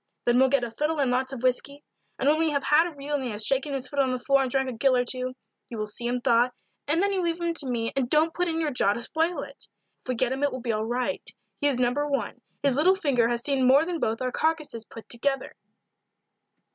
Then we'll get a fiddle and lots of whisky; and when we have had a reel and he has shaken his foot on the floor and drank a gill or two, you will see him thaw, and then you leave him to me and don't put in your jaw to spoil it. If we get him it will be all right he is No. 1; his little finger has seen more than both our carcasses put together."